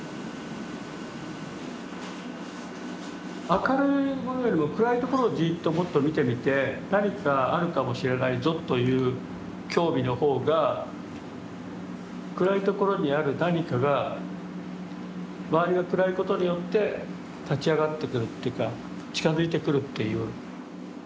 明るいものよりも暗い所をじっともっと見てみて何かあるかもしれないぞという興味の方が暗い所にある何かが周りが暗いことによって立ち上がってくるというか近づいてくるっていう。